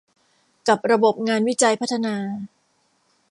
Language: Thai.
กับระบบงานวิจัยพัฒนา